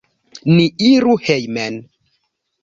Ni iru hejmen!